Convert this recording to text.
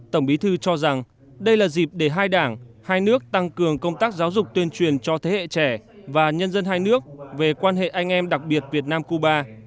tổng bí thư cho rằng đây là dịp để hai đảng hai nước tăng cường công tác giáo dục tuyên truyền cho thế hệ trẻ và nhân dân hai nước về quan hệ anh em đặc biệt việt nam cuba